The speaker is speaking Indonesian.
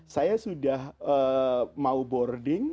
saya sudah mau boarding